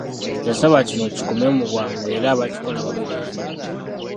Yabasaba kino kikome mu bwangu era abakikola bavunaanibwe.